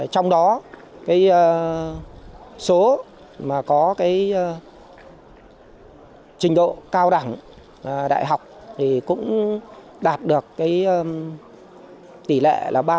trong đó số mà có trình độ cao đẳng đại học thì cũng đạt được tỷ lệ là ba